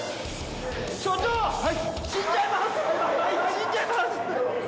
死んじゃいます。